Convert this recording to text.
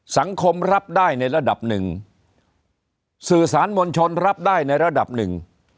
สังคมรับได้ในระดับหนึ่งสื่อสารมวลชนรับได้ในระดับหนึ่ง